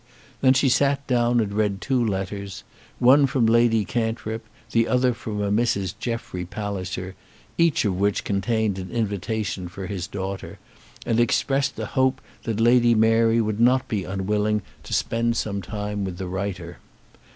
Then she sat down and read two letters, one from Lady Cantrip, and the other from a Mrs. Jeffrey Palliser, each of which contained an invitation for his daughter, and expressed a hope that Lady Mary would not be unwilling to spend some time with the writer.